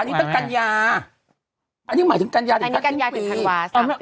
อันนี้ตั้งกัญญาอันนี้หมายถึงกัญญาถึงถ้าสิ้นปี